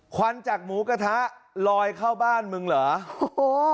ควันจากหมูกระทะลอยเข้าบ้านมึงเหรอโอ้โห